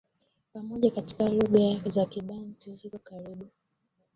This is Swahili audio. pamoja kati yao lugha za Kibantu ziko karibu